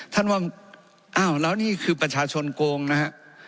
ท่านว่าอ้าวแล้วนี่คือประชาชนโกงนะฮะ